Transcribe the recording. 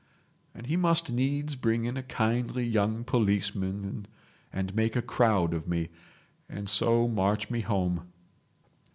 And he must needs bring in a kindly young policeman and make a crowd of me, and so march me home.